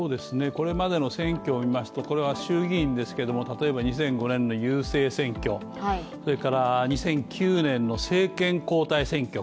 これまでの選挙を見ますと、これは衆議院ですけれども例えば２００５年の郵政選挙、それから、２００９年の政権交代選挙